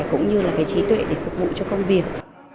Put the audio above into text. cũng như là cái trí tuệ để phục vụ cho công việc